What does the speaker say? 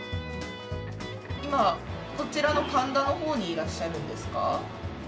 今、こちらの神田のほうにいらっしゃるんですか？